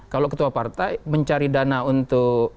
kalau ketua partai mencari dana untuk